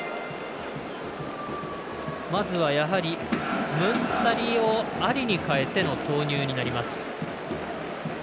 まずは、ムンタリをアリに代えての投入になります。